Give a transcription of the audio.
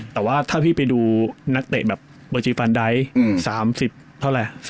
แต่ว่าถ้าฟิไปดูนักเตะเบอร์จิฟันไดท์